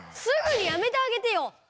すぐにやめてあげてよ！